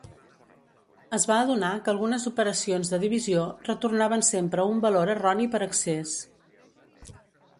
Es va adonar que algunes operacions de divisió retornaven sempre un valor erroni per excés.